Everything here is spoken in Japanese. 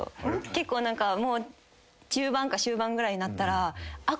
結構中盤か終盤ぐらいになったら。